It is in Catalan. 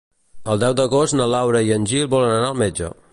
El deu d'agost na Laura i en Gil volen anar al metge.